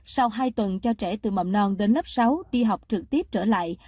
sau hai tuần cho trẻ từ mầm non đến lớp sáu đi học trực tiếp trở lại